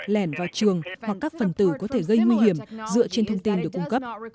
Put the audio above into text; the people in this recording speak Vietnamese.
lèn vào trường hoặc các phần từ có thể gây nguy hiểm dựa trên thông tin được cung cấp